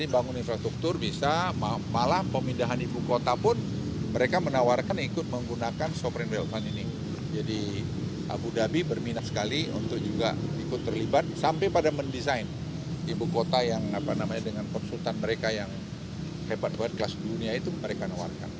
terima kasih berminat sekali untuk juga ikut terlibat sampai pada mendesain ibu kota yang apa namanya dengan konsultan mereka yang hebat hebat kelas dunia itu mereka nawarkan